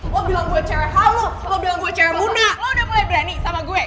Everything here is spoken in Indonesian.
lo bilang gue cewek halu lo bilang gue cewek muna lo udah mulai berani sama gue